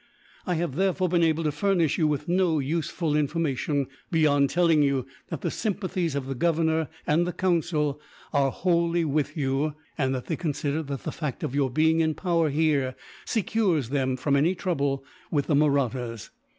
I have therefore been able to furnish you with no useful information, beyond telling you that the sympathies of the Governor and Council are wholly with you, and that they consider that the fact of your being in power here secures them from any trouble with the Mahrattas.